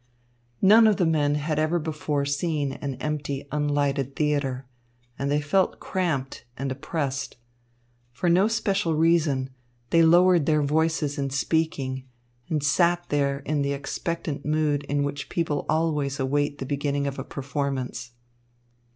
None of the men had ever before seen an empty unlighted theatre, and they felt cramped and oppressed. For no special reason, they lowered their voices in speaking, and sat there in the expectant mood in which people always await the beginning of a performance.